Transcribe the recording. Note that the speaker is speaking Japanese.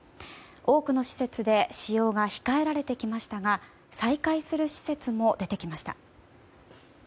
多くの施設で使用が控えられてきましたが再開する施設も出てきました。